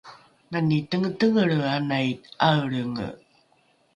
mani tengetengelre anai ’aelrenge